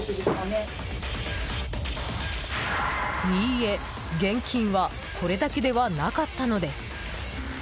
いいえ、現金はこれだけではなかったのです。